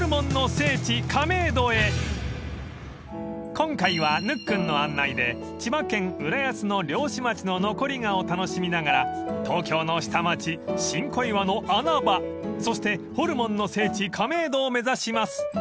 ［今回はぬっくんの案内で千葉県浦安の漁師町の残り香を楽しみながら東京の下町新小岩の穴場そしてホルモンの聖地亀戸を目指します］